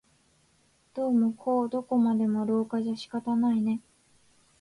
どうもこうどこまでも廊下じゃ仕方ないね